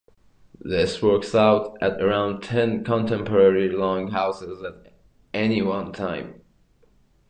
This works out at around ten contemporary long houses at any one time.